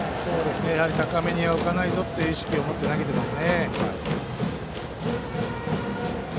やはり高めには浮かないぞという意識を持って投げています。